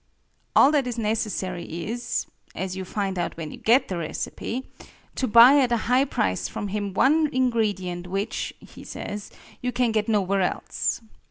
All that is necessary is (as you find out when you get the recipe) to buy at a high price from him one ingredient which (he says) you can get nowhere else.